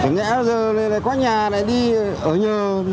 ngã giờ quán nhà này đi ở nhờ